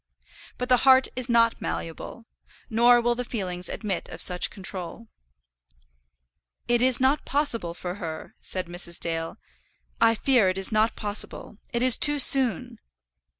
But the heart is not malleable; nor will the feelings admit of such control. "It is not possible for her," said Mrs. Dale. "I fear it is not possible. It is too soon."